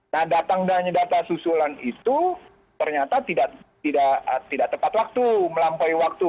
nah datang dan data susulan itu ternyata tidak tepat waktu melampaui waktu